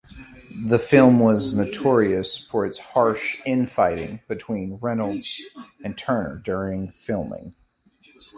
The film was notorious for its harsh infighting between Reynolds and Turner during filming.